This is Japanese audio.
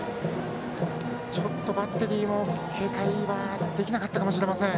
バッテリーも警戒はできなかったかもしれません。